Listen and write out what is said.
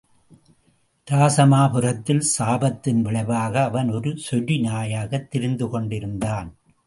இராசமாபுரத்தில் சாபத்தின் விளைவாக அவன் ஒரு சொரிநாயாகத் திரிந்து கொண்டிருந்தான்.